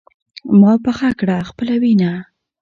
ما پخه کړه خپله ينه